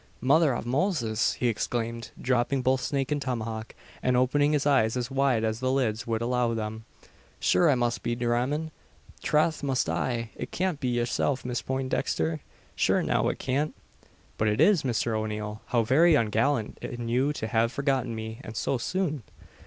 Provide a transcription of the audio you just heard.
"Mother av Moses!" he exclaimed, dropping both snake and tomahawk, and opening his eyes as wide as the lids would allow them; "Shure I must be dhramin? Trath must I! It cyant be yersilf, Miss Pointdixther? Shure now it cyant?" "But it is, Mr O'Neal. How very ungallant in you to have forgotten me, and so soon!"